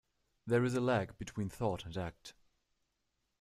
There is a lag between thought and act.